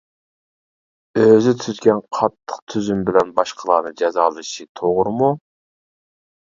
ئۆزى تۈزگەن قاتتىق تۈزۈم بىلەن باشقىلارنى جازالىشى توغرىمۇ?